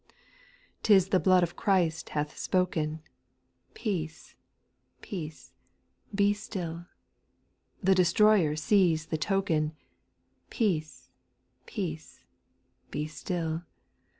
2. 'T is the blood of Christ hath spoken, Peace, i)eace, be still ; The destroyer sees the token, Peace, peace, be still.